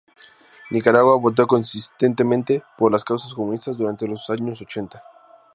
Nicaragua votó consistentemente por las causas comunistas durante los años ochenta.